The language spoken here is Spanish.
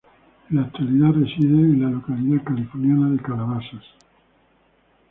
En la actualidad reside en la localidad californiana de Calabasas.